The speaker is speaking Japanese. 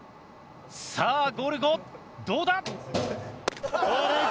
さあゴルゴどうだ？